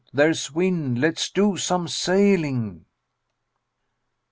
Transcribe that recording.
There's wind: let's do some sailing."